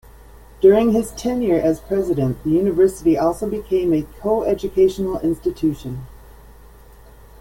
During his tenure as president, the university also became a coeducational institution.